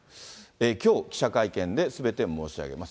きょう記者会見で、すべて申し上げます。